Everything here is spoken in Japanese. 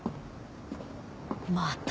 また？